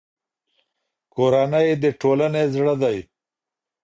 کورنۍ د ټولنې زړه دی.